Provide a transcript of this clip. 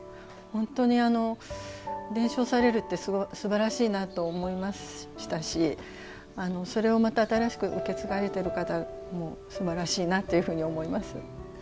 本当に伝承されるってすばらしいなと思いましたしそれをまた新しく受け継がれている方もすばらしいなというふうに思います。